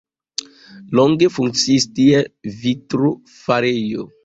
Longe funkciis tie vitrofarejo.